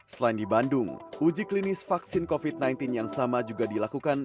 selain di bandung uji klinis vaksin covid sembilan belas yang sama juga dilakukan